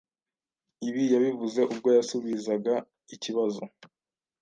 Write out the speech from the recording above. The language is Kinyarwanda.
Ibi yabivuze ubwo yasubizaga ikibazo